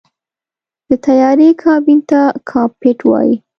د طیارې کابین ته “کاکپټ” وایي.